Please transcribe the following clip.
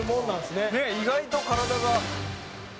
「ねっ意外と体が」